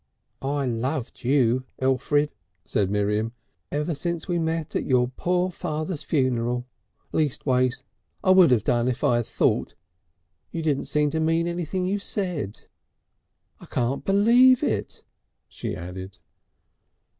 "I loved you, Elfrid," said Miriam, "since ever we met at your poor father's funeral. Leastways I would have done, if I had thought. You didn't seem to mean anything you said. "I can't believe it!" she added.